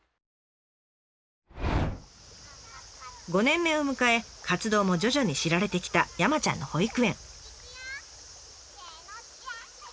５年目を迎え活動も徐々に知られてきた山ちゃんの保育園。